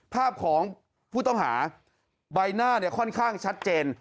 ภาพของผู้ต้องหาใบหน้าเนี่ยค่อนข้างชัดเจน